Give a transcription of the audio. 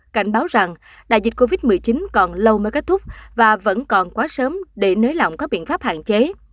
cảnh báo rằng đại dịch covid một mươi chín còn lâu mới kết thúc và vẫn còn quá sớm để nới lỏng các biện pháp hạn chế